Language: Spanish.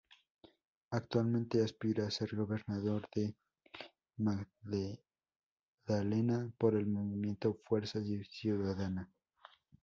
Actualmente aspira ser Gobernador del Magdalena por el movimiento Fuerza Ciudadana.